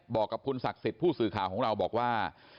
บอกกับคุณศักดิ์สิทธิ์ผู้สื่อข่าวของเราบอกว่า